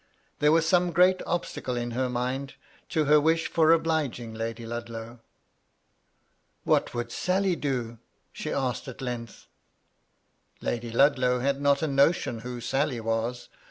There was some great obstacle in her mind to her wish for obliging Lady Ludlow. "What would Sally do?" she asked at length. Lady Ludlow had not a notion who Sally was.